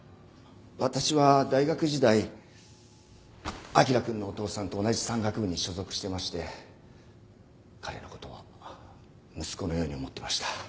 私は大学時代彰くんのお父さんと同じ山岳部に所属してまして彼の事は息子のように思ってました。